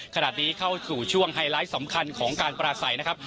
ขณะนี้เข้าสู่ช่วงไฮไลท์สำคัญของการปราศัยนะครับ